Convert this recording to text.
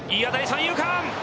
三遊間。